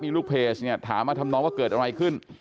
มีลูกเพจเนี่ยถามมาทำนองว่าเกิดอะไรขึ้น